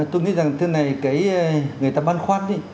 tôi nghĩ rằng cái này người ta băn khoăn đi